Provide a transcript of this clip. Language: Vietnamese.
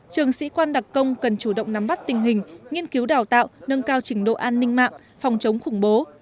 trường sĩ quan đặc công cần chủ động nắm bắt tình hình nghiên cứu đào tạo nâng cao trình độ an ninh mạng phòng chống khủng bố